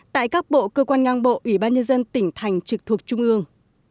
tại các bộ cơ quan ngang bộ ủy ban nhân dân tỉnh thành trực thuộc trung ương